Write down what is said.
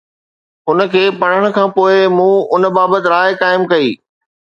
ان کي پڙهڻ کان پوءِ مون ان بابت راءِ قائم ڪئي